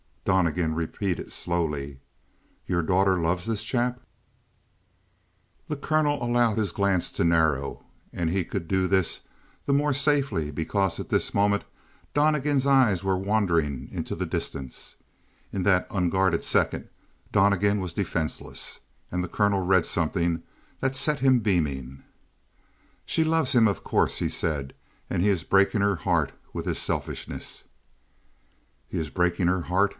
Donnegan repeated slowly: "Your daughter loves this chap?" The colonel allowed his glance to narrow, and he could do this the more safely because at this moment Donnegan's eyes were wandering into the distance. In that unguarded second Donnegan was defenseless and the colonel read something that set him beaming. "She loves him, of course," he said, "and he is breaking her heart with his selfishness." "He is breaking her heart?"